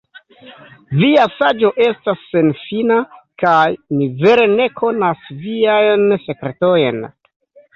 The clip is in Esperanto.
Via saĝo estas senfina, kaj ni vere ne konas Viajn sekretojn!